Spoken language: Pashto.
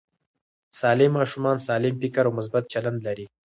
سالم ماشومان سالم فکر او مثبت چلند لري.